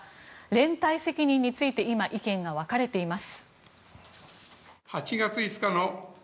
連帯責任について今意見が分かれています。